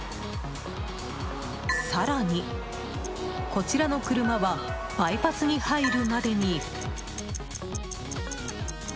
更に、こちらの車はバイパスに入るまでに。